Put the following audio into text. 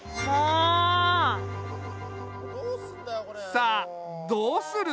さあどうする？